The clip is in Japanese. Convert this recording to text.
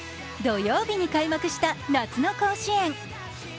土曜日に開幕した夏の甲子園。